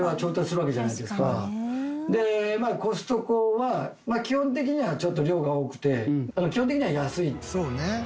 でコストコは基本的にはちょっと量が多くて基本的には安い。